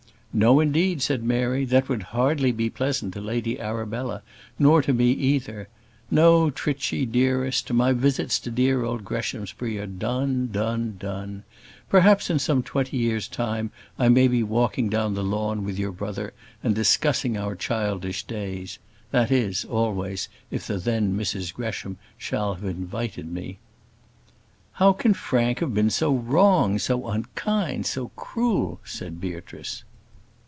"No, indeed," said Mary; "that would hardly be pleasant to Lady Arabella, nor to me either. No, Trichy, dearest; my visits to dear old Greshamsbury are done, done, done: perhaps in some twenty years' time I may be walking down the lawn with your brother, and discussing our childish days that is, always, if the then Mrs Gresham shall have invited me." "How can Frank have been so wrong, so unkind, so cruel?" said Beatrice.